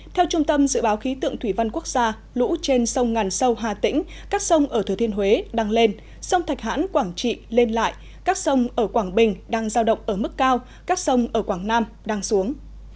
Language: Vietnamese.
theo trung tâm dự báo khí tượng thủy văn quốc gia lũ trên sông ngàn sâu hà tĩnh các sông ở thừa thiên huế đang lên sông thạch hãn quảng trị lên lại các sông ở quảng bình đang giao động ở mức cao các sông ở quảng nam đang xuống